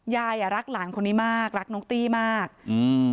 ยายอ่ะรักหลานคนนี้มากรักน้องตี้มากอืม